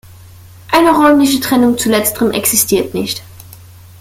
Eine räumliche Trennung zu letzterem existiert nicht.